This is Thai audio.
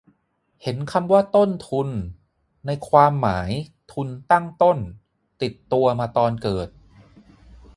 เห็นคำว่า "ต้นทุน" ในความหมาย "ทุนตั้งต้น" ติดตัวมาตอนเกิด